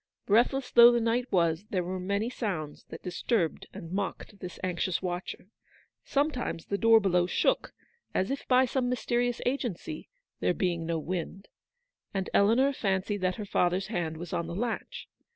Breathless though the night was, there were many sounds that disturbed and mocked this anxious watcher. Sometimes the door below shook — as if by some mysterious agency, there being no wind — and Eleanor fancied that her father's hand was on the latch.